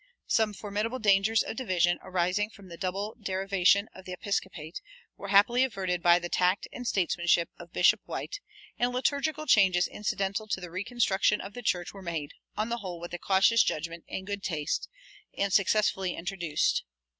Some formidable dangers of division arising from the double derivation of the episcopate were happily averted by the tact and statesmanship of Bishop White, and liturgical changes incidental to the reconstitution of the church were made, on the whole with cautious judgment and good taste, and successfully introduced.